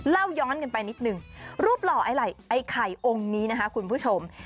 เล่าย้อนกันไปนิดนึงรูปหล่อไอ้ไหล่ไอ้ไข่องค์นี้นะคะคุณผู้ชม